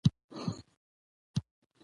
چې په څو سوو نجونو کې